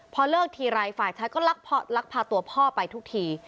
พอเลิกทีไรฝ่ายชายก็ลักพาตัวพ่อไปทุกที